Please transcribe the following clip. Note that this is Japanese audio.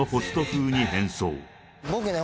僕ね